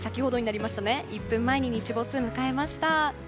１分前に日没を迎えました。